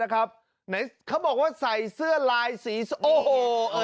เขาบอกว่าใส่เสื้อลายสีโอ้โห